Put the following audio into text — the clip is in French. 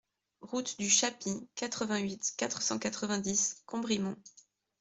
Route du Chapis, quatre-vingt-huit, quatre cent quatre-vingt-dix Combrimont